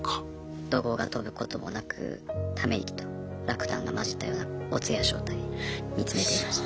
怒号が飛ぶこともなくため息と落胆が混じったようなお通夜状態見つめていました。